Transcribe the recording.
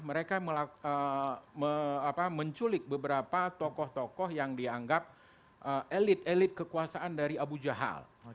mereka menculik beberapa tokoh tokoh yang dianggap elit elit kekuasaan dari abu jahal